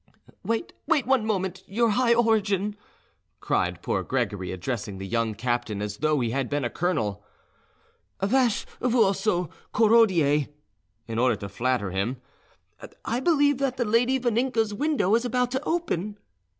"Wait, wait one moment, your high origin," cried poor Gregory, addressing the young captain as though he had been a colonel, "Vache Vousso Korodie," in order to flatter him. "I believe that the lady Vaninka's window is about to open!"